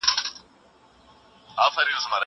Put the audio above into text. هغه وويل چي ليکنه مهمه ده!!